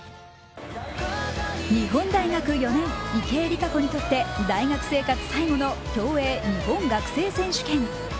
日本大学４年、池江璃花子にとって大学生活最後の競泳日本学生選手権。